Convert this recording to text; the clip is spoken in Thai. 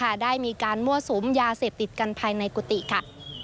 ได้มีการมั่วสุมยาเสพติดกันภายในกุฏิค่ะ